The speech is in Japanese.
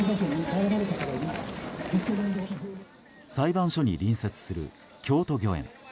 裁判所に隣接する京都御苑。